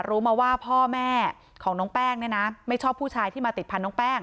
รู้มาว่าพ่อแม่ของน้องแป้งเนี่ยนะไม่ชอบผู้ชายที่มาติดพันธุน้องแป้ง